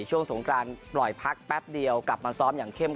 ช่วงสงกรานปล่อยพักแป๊บเดียวกลับมาซ้อมอย่างเข้ม